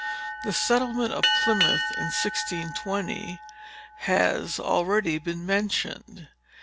The settlement of Plymouth, in 1620, has already been mentioned.